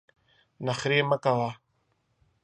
نخرې مه کوه !